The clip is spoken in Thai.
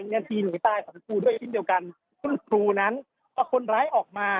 งานที่หนีตายของครูด้วยชิ้นเดียวกันคุณครูนั้นเอาคนร้ายออกมา